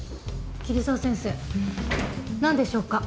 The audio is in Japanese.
桐沢先生なんでしょうか？